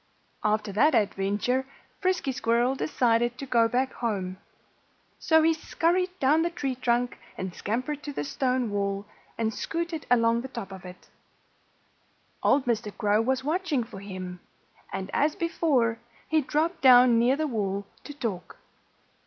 After that adventure Frisky Squirrel decided to go back home. So he scurried town the tree trunk and scampered to the stone wall, and scooted along the top of it. Old Mr. Crow was watching for him. And as before, he dropped down near the wall to talk.